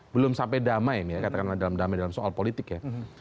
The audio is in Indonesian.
belum sampai damai ya katakanlah dalam damai dalam soal politik ya